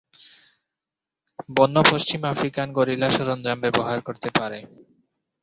বন্য পশ্চিম African gorilla সরঞ্জাম ব্যবহার করতে পারে।